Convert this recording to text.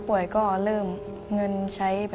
พ่อลูกรู้สึกปวดหัวมาก